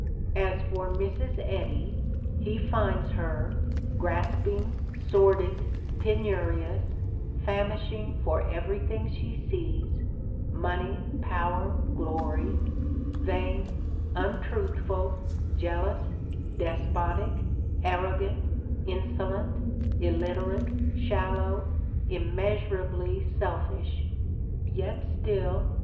As for Mrs. Eddy, he finds her "grasping, sordid, penurious, famishing for everything she sees — ^money, power, glory — ^vain, un truthful, jealous, despotic, arrogant, insolent, illiterate, shallow, immeasurably selfish" ... yet still